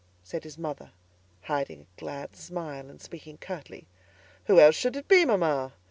said his mother, hiding a glad smile and speaking curtly. "Who else should it be, mamma?"